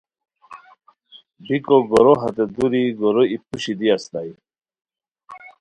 بیکو گورو ہتے دوری گورو ای پوشی دی استائے